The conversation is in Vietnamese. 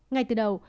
ngay từ đầu